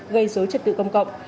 gây dối trật tự công cộng